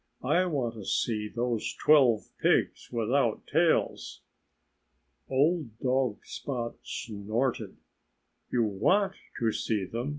I want to see those twelve pigs without tails." Old dog Spot snorted. "You want to see them!"